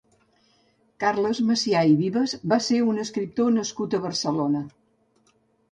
Carles Macià i Vives va ser un escriptor nascut a Barcelona.